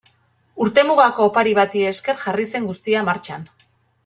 Urtemugako opari bati esker jarri zen guztia martxan.